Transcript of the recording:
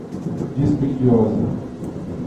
dispendiosa